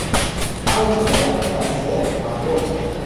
Aouda passèrent à bord.